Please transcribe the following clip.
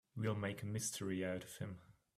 We'll make a mystery out of him.